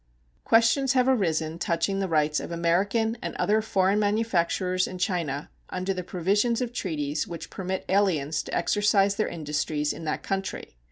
Questions have arisen touching the rights of American and other foreign manufacturers in China under the provisions of treaties which permit aliens to exercise their industries in that country.